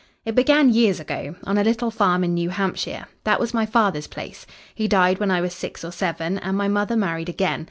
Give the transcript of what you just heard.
"It began years ago, on a little farm in New Hampshire. That was my father's place. He died when I was six or seven, and my mother married again.